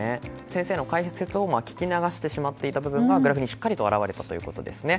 先生の解説を聞き流してしまっていた部分がグラフにしっかりと表れたということです。